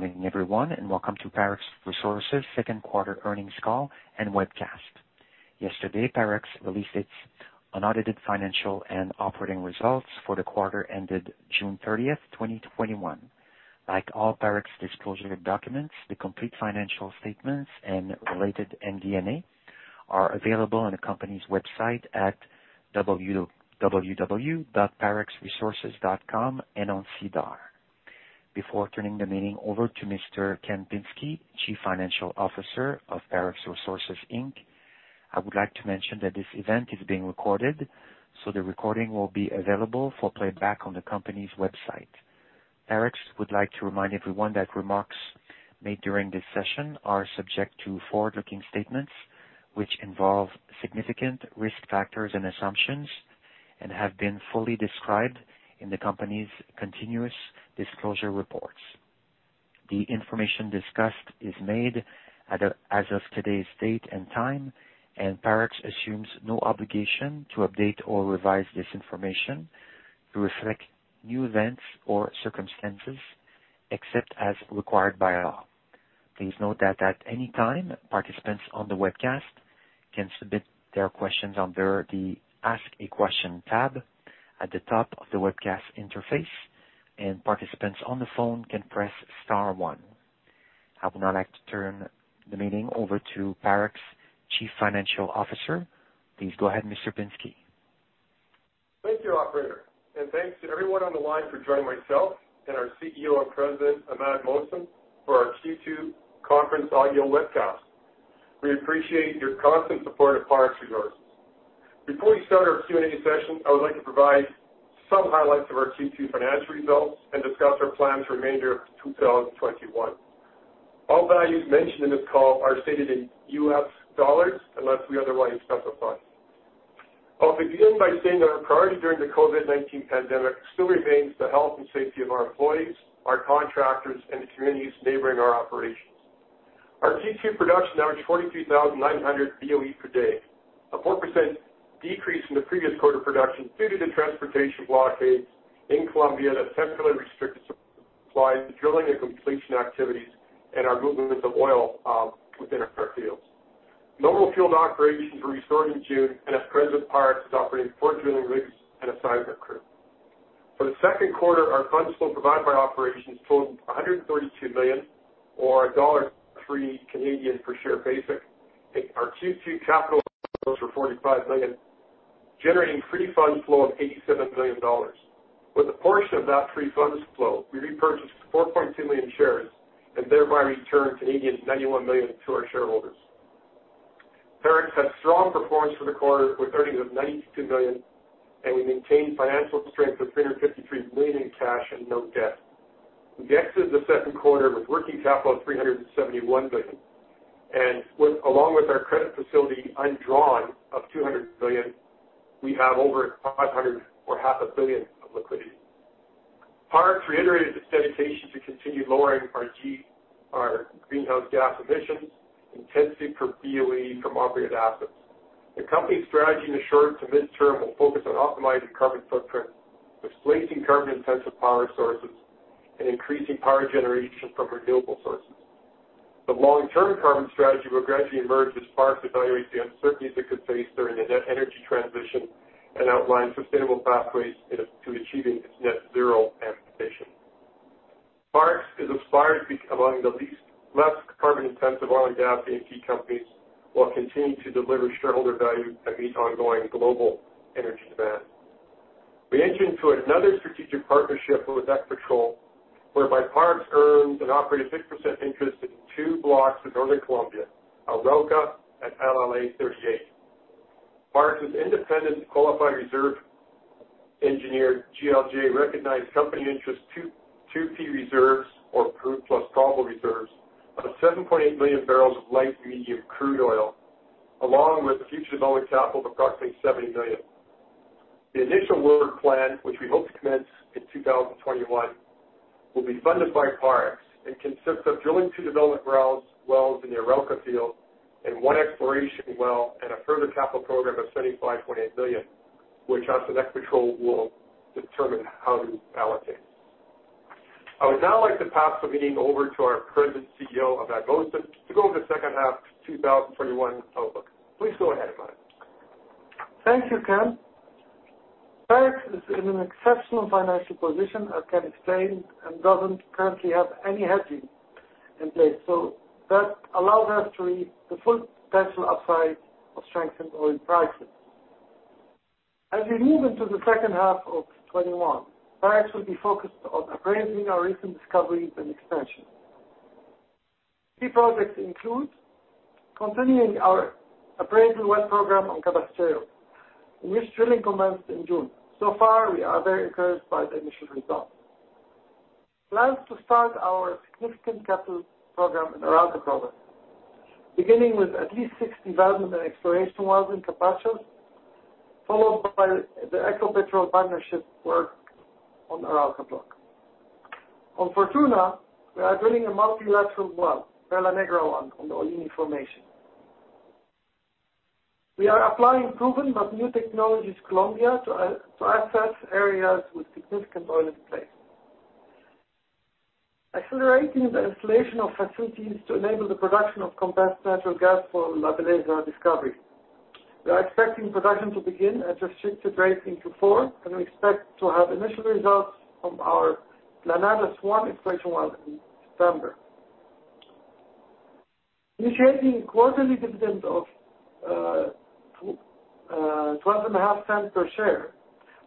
Good morning, everyone, welcome to Parex Resources second quarter earnings call and webcast. Yesterday, Parex released its unaudited financial and operating results for the quarter ended June 30th, 2021. Like all Parex disclosure documents, the complete financial statements and related MD&A are available on the company's website at www.parexresources.com and on SEDAR. Before turning the meeting over to Mr. Ken Pinsky, Chief Financial Officer of Parex Resources Inc., I would like to mention that this event is being recorded, so the recording will be available for playback on the company's website. Parex would like to remind everyone that remarks made during this session are subject to forward-looking statements, which involve significant risk factors and assumptions and have been fully described in the company's continuous disclosure reports. The information discussed is made as of today's date and time, and Parex assumes no obligation to update or revise this information to reflect new events or circumstances except as required by law. Please note that at any time, participants on the webcast can submit their questions under the Ask a Question tab at the top of the webcast interface, and participants on the phone can press star one. I would now like to turn the meeting over to Parex Chief Financial Officer. Please go ahead, Mr. Pinsky. Thank you, operator, and thanks to everyone on the line for joining myself and our CEO and President, Imad Mohsen, for our Q2 conference audio webcast. We appreciate your constant support of Parex Resources. Before we start our Q&A session, I would like to provide some highlights of our Q2 financial results and discuss our plans for the remainder of 2021. All values mentioned in this call are stated in U.S. dollars, unless we otherwise specify. I'll begin by saying that our priority during the COVID-19 pandemic still remains the health and safety of our employees, our contractors, and the communities neighboring our operations. Our Q2 production averaged 23,900 BOE per day, a 4% decrease from the previous quarter production due to the transportation blockades in Colombia that temporarily restricted supply to drilling and completion activities and our movements of oil within our fields. Normal field operations were restored in June. At Present, Parex is operating four drilling rigs and assigned their crew. For the second quarter, our funds flow provided by operations totaled $132 million or dollar 1.03 per share basic. Our Q2 capital flows were $45 million, generating free funds flow of $87 million. With a portion of that free funds flow, we repurchased 4.2 million shares and thereby returned 91 million to our shareholders. Parex had strong performance for the quarter with earnings of $92 million. We maintained financial strength of $353 million in cash and no debt. We exited the second quarter with working capital of $371 billion. Along with our credit facility undrawn of $200 billion, we have over $500 million or a half a billion of liquidity. Parex reiterated its dedication to continue lowering our greenhouse gas emissions intensity per BOE from operated assets. The company's strategy in the short to mid-term will focus on optimizing carbon footprint, displacing carbon-intensive power sources, and increasing power generation from renewable sources. The long-term carbon strategy will gradually emerge as Parex evaluates the uncertainties it could face during the net energy transition and outlines sustainable pathways to achieving its net zero ambition. Parex is aspired to be among the least less carbon intensive oil and gas E&P companies, while continuing to deliver shareholder value and meet ongoing global energy demand. We entered into another strategic partnership with Ecopetrol, whereby Parex earned and operated 6% interest in two blocks in northern Colombia, Arauca and LLA-38. Parex's independent qualified reserve engineer, GLJ, recognized company interest 2P reserves or proved plus probable reserves of 7.8 million barrels of light medium crude oil, along with future development capital of approximately $70 million. The initial work plan, which we hope to commence in 2021, will be funded by Parex and consists of drilling two development wells in the Arauca field and 1 exploration well and a further capital program of $75.8 million, which us and Ecopetrol will determine how to allocate. I would now like to pass the meeting over to our President CEO, Imad Mohsen, to go over the second half 2021 outlook. Please go ahead, Imad. Thank you, Ken. Parex is in an exceptional financial position, as Ken explained, and doesn't currently have any hedging in place. That allows us to reap the full potential upside of strengthened oil prices. As we move into the second half of 2021, Parex will be focused on appraising our recent discoveries and expansion. Key projects include continuing our appraisal well program on Cabrestero, in which drilling commenced in June. Far, we are very encouraged by the initial results. Plans to start our significant capital program in Arauca province, beginning with at least six development and exploration wells in Cabrestero, followed by the Ecopetrol partnership work on Arauca block. On Fortuna, we are drilling a multilateral well, Perla Negra-1, on the Olini formation. We are applying proven but new technologies Colombia to access areas with significant oil in place. Accelerating the installation of facilities to enable the production of compressed natural gas for La Belleza discovery. We are expecting production to begin as the shifts break into four, and we expect to have initial results from our Planadas-1 exploration well in December. Initiating quarterly dividend of $0.125 per share.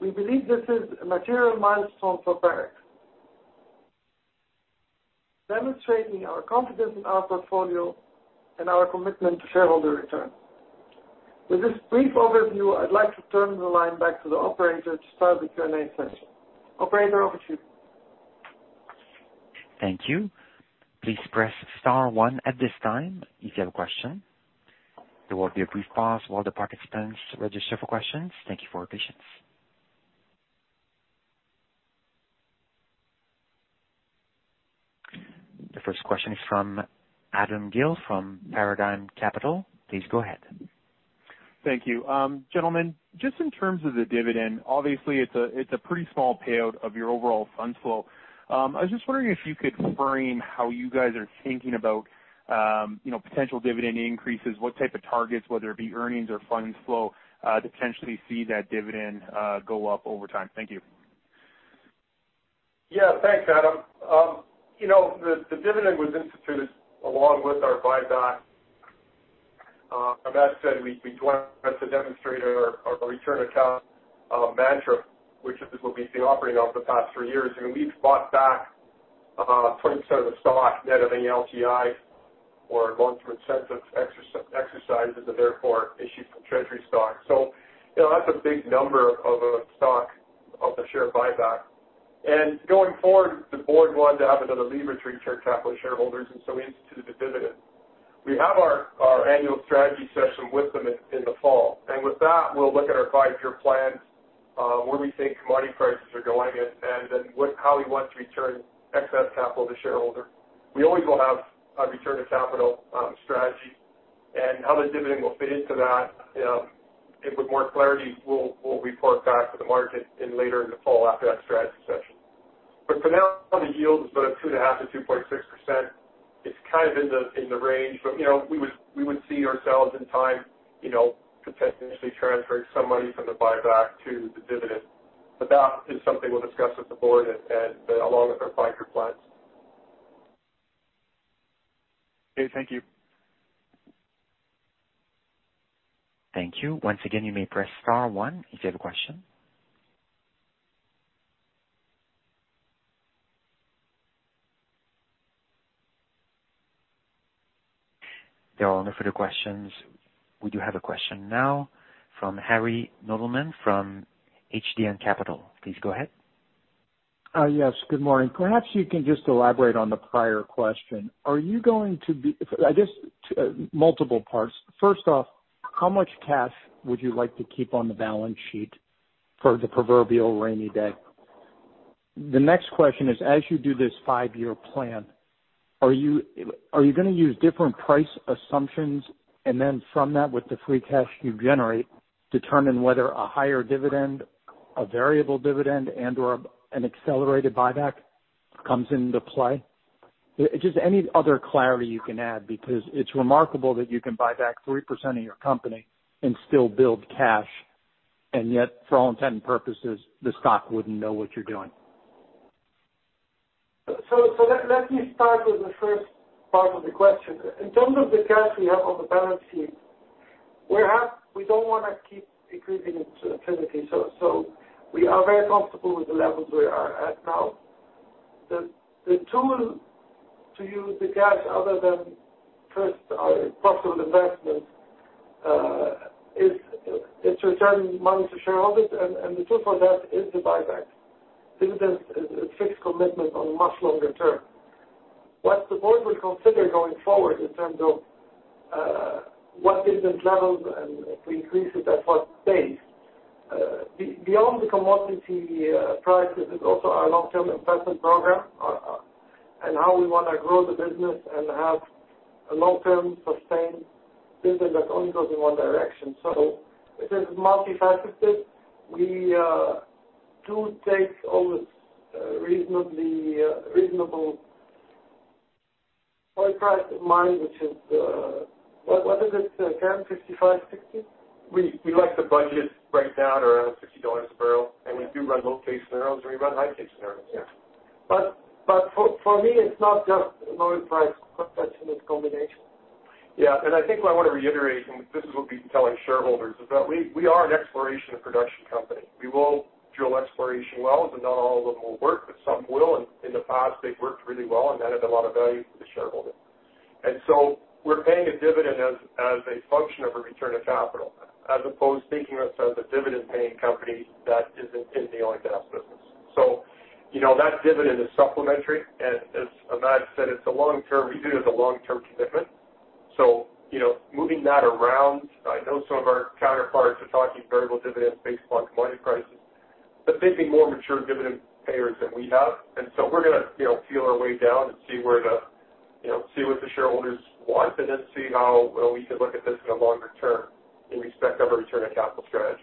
We believe this is a material milestone for Parex. Demonstrating our confidence in our portfolio and our commitment to shareholder return. With this brief overview, I'd like to turn the line back to the operator to start the Q&A session. Operator, over to you. Thank you. Please press star one at this time if you have a question. You will be prompted for the participants to register for questions. The first question is from Adam Gill from Paradigm Capital. Please go ahead. Thank you. Gentlemen, just in terms of the dividend, obviously it's a pretty small payout of your overall fund flow. I was just wondering if you could frame how you guys are thinking about potential dividend increases, what type of targets, whether it be earnings or fund flow, to potentially see that dividend go up over time. Thank you. Yeah. Thanks, Adam. The dividend was instituted along with our buyback. That said, we want to demonstrate our return of capital mantra, which is what we've been operating off the past three years. We've bought back 20% of the stock net of any LTI or long-term incentive exercises, and therefore, issued some treasury stock. That's a big number of a stock of the share buyback. Going forward, the board wanted to have another lever to return capital to shareholders, and so we instituted the dividend. We have our annual strategy session with them in the fall. With that, we'll look at our five-year plans, where we think commodity prices are going, then how we want to return excess capital to shareholders. We always will have a return of capital strategy. How the dividend will fit into that, with more clarity, we'll report back to the market in later in the fall after that strategy session. For now, the yield is about 2.5%-2.6%. It's kind of in the range, but we would see ourselves in time, potentially transferring some money from the buyback to the dividend. That is something we'll discuss with the board and along with our five-year plans. Okay. Thank you. Thank you. Once again, you may press star one if you have a question. There are no further questions. We do have a question now from Harry Nudelman from HDN Capital. Please go ahead. Yes. Good morning. Perhaps you can just elaborate on the prior question. I guess, multiple parts. First off, how much cash would you like to keep on the balance sheet for the proverbial rainy day? The next question is, as you do this five-year plan, are you going to use different price assumptions and then from that, with the free cash you generate, determine whether a higher dividend, a variable dividend, and/or an accelerated buyback comes into play? Just any other clarity you can add, because it's remarkable that you can buy back 3% of your company and still build cash, and yet for all intent and purposes, the stock wouldn't know what you're doing. Let me start with the first part of the question. In terms of the cash we have on the balance sheet, we don't want to keep increasing it infinitely. We are very comfortable with the levels we are at now. The tool to use the cash other than first our possible investment, is to return money to shareholders, and the tool for that is the buyback. Dividends is a fixed commitment on a much longer term. What the board will consider going forward in terms of what dividend levels, and if we increase it, at what pace. Beyond the commodity prices is also our long-term investment program, and how we want to grow the business and have a long-term sustained business that only goes in one direction. It is multifaceted. We do take always reasonable oil price in mind, which is What is it again? $65-$60? We like to budget right now at around $60 a barrel, and we do run low case scenarios and we run high case scenarios. Yeah. For me, it's not just low price, but that's in its combination. Yeah. I think what I want to reiterate, and this is what we've been telling shareholders, is that we are an exploration and production company. We will drill exploration wells, not all of them will work, some will. In the past, they've worked really well, that has a lot of value for the shareholder. We're paying a dividend as a function of a return of capital, as opposed thinking of us as a dividend-paying company that is in the oil and gas business. That dividend is supplementary. As Imad said, we view it as a long-term commitment. Moving that around, I know some of our counterparts are talking variable dividends based upon commodity prices. They'd be more mature dividend payers than we have. We're going to feel our way down and see what the shareholders want, and then see how we can look at this in a longer term in respect of a return on capital strategy.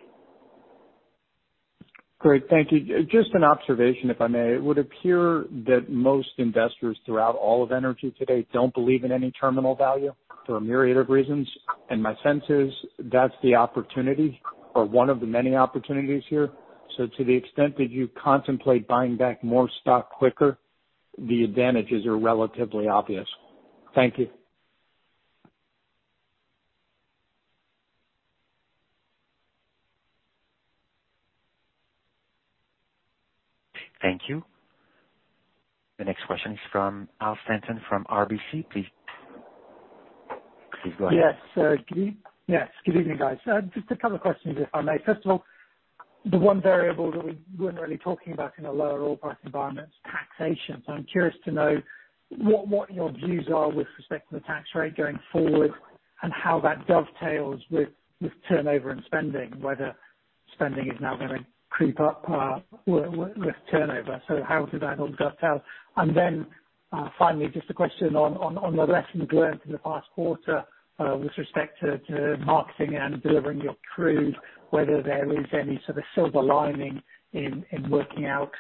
Great. Thank you. Just an observation, if I may. It would appear that most investors throughout all of energy today don't believe in any terminal value for a myriad of reasons. My sense is that's the opportunity or one of the many opportunities here. To the extent that you contemplate buying back more stock quicker, the advantages are relatively obvious. Thank you. Thank you. The next question is from Al Stanton from RBC. Please go ahead. Yes, good evening, guys. Just a couple questions, if I may. The one variable that we weren't really talking about in a lower oil price environment is taxation. I'm curious to know what your views are with respect to the tax rate going forward and how that dovetails with turnover and spending, whether spending is now going to creep up with turnover. How does that all dovetail? Finally, just a question on the lessons learned in the past quarter, with respect to marketing and delivering your crude, whether there is any sort of silver lining in working out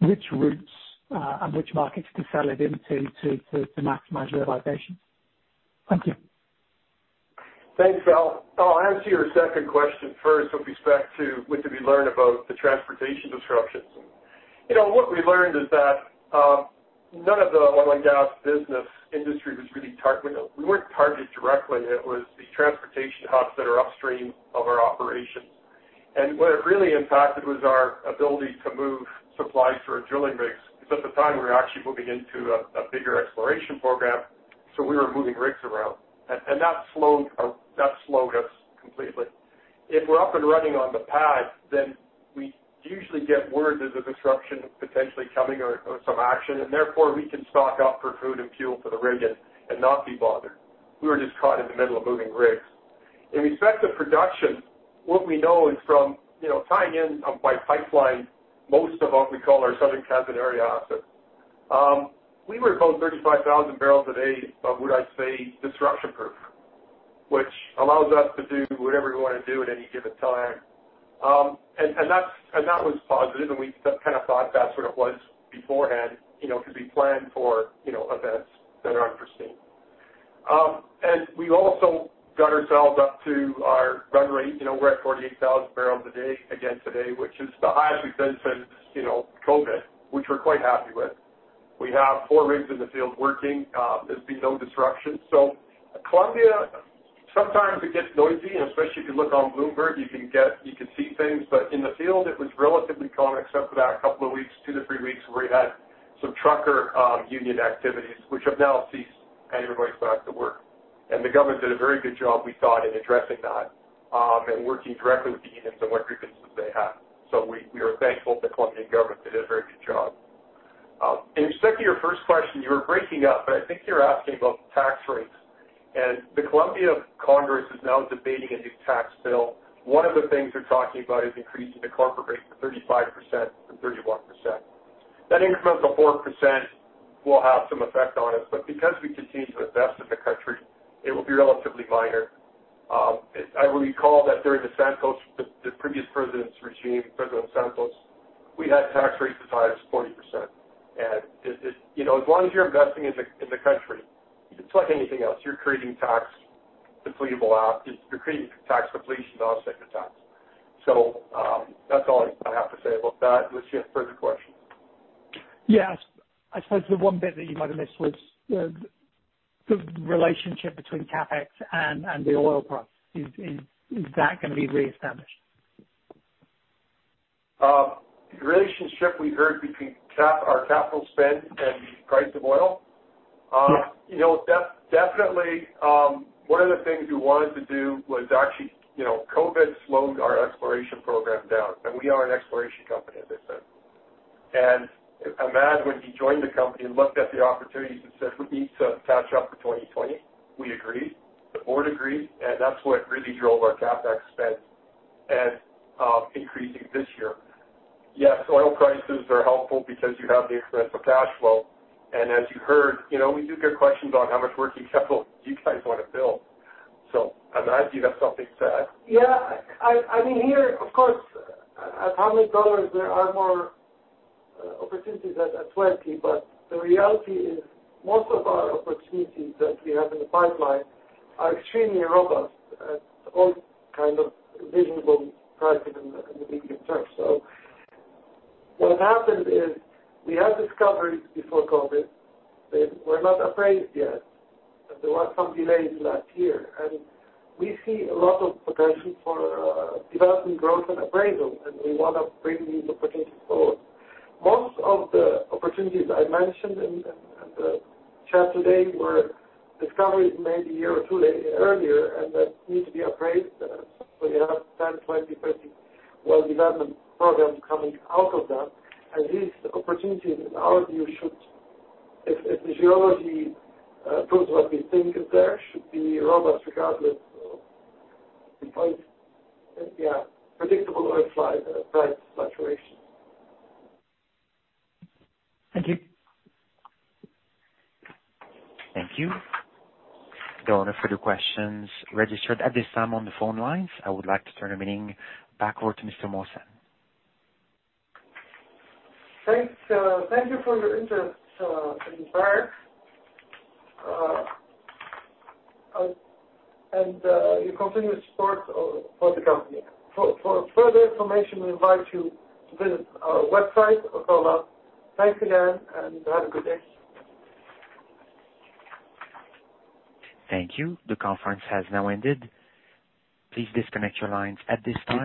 which routes, and which markets to sell it into to maximize realization. Thank you. Thanks, Al. I'll answer your second question first with respect to what did we learn about the transportation disruptions. What we learned is that none of the oil and gas business industry was really, we weren't targeted directly. It was the transportation hubs that are upstream of our operations. What it really impacted was our ability to move supplies for drilling rigs, because at the time, we were actually moving into a bigger exploration program, so we were moving rigs around. That slowed us completely. If we're up and running on the pad, then we usually get word there's a disruption potentially coming or some action, and therefore, we can stock up for food and fuel for the rig and not be bothered. We were just caught in the middle of moving rigs. In respect to production, what we know is from tying in by pipeline, most of what we call our Southern Cabrestero Area assets. We were about 35,000 bbl a day of what I'd say disruption-proof, which allows us to do whatever we want to do at any given time. That was positive, and we kind of thought that's what it was beforehand, because we planned for events that are unforeseen. We also got ourselves up to our run rate. We're at 48,000 bbl a day again today, which is the highest we've been since COVID, which we're quite happy with. We have four rigs in the field working. There's been no disruption. Colombia, sometimes it gets noisy, and especially if you look on Bloomberg, you can see things. In the field, it was relatively calm except for that couple of weeks, 2-3 weeks, where we had some trucker union activities, which have now ceased and everybody's back to work. The government did a very good job, we thought, in addressing that, and working directly with the unions on what grievances they have. We are thankful to the Colombian government. They did a very good job. In respect to your first question, you were breaking up, but I think you're asking about the tax rates. The Colombian Congress is now debating a new tax bill. One of the things they're talking about is increasing the corporate rate to 35% from 31%. That incremental 4% will have some effect on us, but because we continue to invest in the country, it will be relatively minor. I will recall that during the Santos, the previous president's regime, President Santos, we had tax rates as high as 40%. As long as you're investing in the country, it's like anything else. You're creating tax depletion offsets the tax. That's all I have to say about that, unless you have further questions. Yes. I suppose the one bit that you might have missed was the relationship between CapEx and the oil price. Is that going to be reestablished? Relationship we heard between our capital spend and the price of oil? Yes. Definitely, one of the things we wanted to do was actually, COVID slowed our exploration program down, and we are an exploration company, as I said. Imad, when he joined the company, looked at the opportunities and said, We need to catch up for 2020. We agreed, the board agreed, and that's what really drove our CapEx spend and increasing this year. Oil prices are helpful because you have the incremental cash flow, and as you heard, we do get questions on how much working capital you guys want to build. Imad, you have something to add? Here, of course, at $100, there are more opportunities at $20, but the reality is most of our opportunities that we have in the pipeline are extremely robust at all kind of reasonable prices in the medium term. What happened is we had discoveries before COVID-19 that were not appraised yet. There were some delays last year. We see a lot of potential for development growth and appraisal, and we want to bring these opportunities forward. Most of the opportunities I mentioned in the chat today were discoveries made a year or two earlier, and that need to be appraised. You have 10, 20, 30 well development programs coming out of that. These opportunities, in our view, if the geology proves what we think is there, should be robust regardless of the price. Predictable oil price fluctuation. Thank you. Thank you. There are no further questions registered at this time on the phone lines. I would like to turn the meeting back over to Mr. Mohsen. Thanks. Thank you for your interest in Parex. Your continued support for the company. For further information, we invite you to visit our website or call us. Thanks again, and have a good day. Thank you. The conference has now ended. Please disconnect your lines at this time.